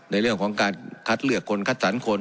ในเรื่องของการคัดเลือกคนคัดสรรคน